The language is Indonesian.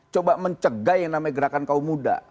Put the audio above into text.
coba mencegah yang namanya gerakan kaum muda